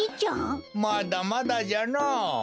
まだまだじゃのぉ。